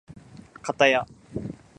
かたや